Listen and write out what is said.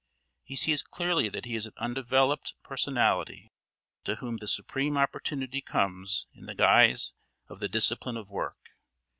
He sees clearly that he is an undeveloped personality to whom the supreme opportunity comes in the guise of the discipline of work.